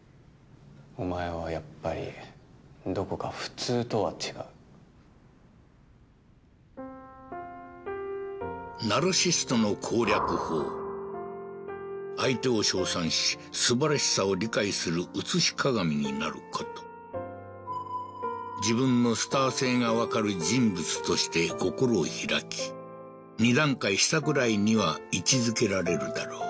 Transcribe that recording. お前はやっぱりどこか普通とは違うナルシストの攻略法相手を称賛しすばらしさを理解する映し鏡になること自分のスター性がわかる人物として心を開き２段階下ぐらいには位置づけられるだろう